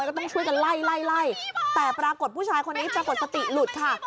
ก็ต้องช่วยกันไล่ไล่ไล่แต่ปรากฏผู้ชายคนนี้ปรากฏสติหลุดค่ะ